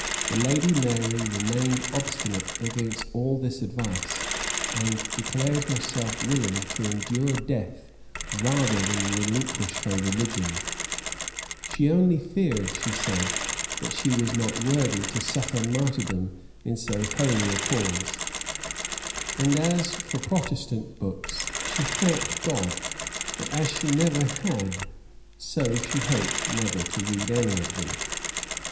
[] The lady Mary remained obstinate against all this advice, and declared herself willing to endure death rather than relinquish her religion; she only feared, she said, that she was not worthy to suffer martyrdom in so holy a cause: and as for Protestant books, she thanked God, that as she never had, so she hoped never to read any of them.